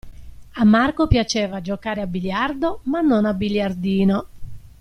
A Marco piaceva giocare a biliardo, ma non a biliardino.